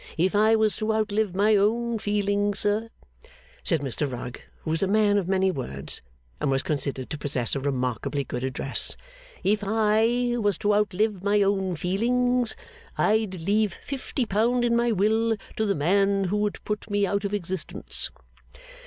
If I was to outlive my own feelings, sir,' said Mr Rugg, who was a man of many words, and was considered to possess a remarkably good address; 'if I was to outlive my own feelings, I'd leave fifty pound in my will to the man who would put me out of existence.